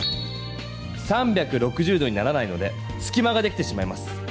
３６０度にならないのですきまができてしまいます。